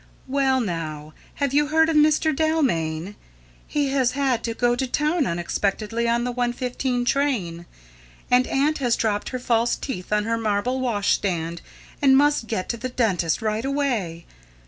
"Well now, have you heard of Mr. Dalmain? He has had to go to town unexpectedly, on the 1.15 train; and aunt has dropped her false teeth on her marble wash stand and must get to the dentist right away.